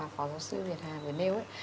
phó giáo sư việt hà và nêu